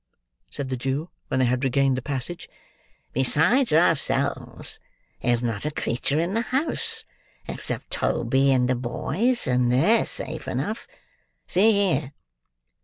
said the Jew, when they had regained the passage. "Besides ourselves, there's not a creature in the house except Toby and the boys; and they're safe enough. See here!"